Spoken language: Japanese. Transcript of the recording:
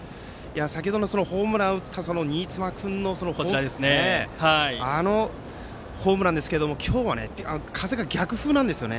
先程のホームランを打った新妻君のあのホームランですが今日は、風が逆風なんですよね。